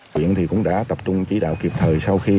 huyện thì cũng đã tập trung chỉ đạo kịp thời